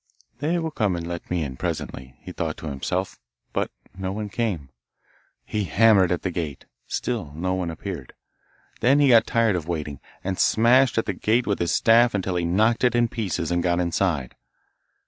'They will come and let me in presently,' he thought to himself; but no one came. He hammered at the gate; still no one appeared. Then he got tired of waiting, and smashed at the gate with his staff until he knocked it in pieces and got inside.